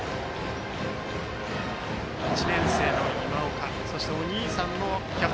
１年生の今岡そしてお兄さんの今岡。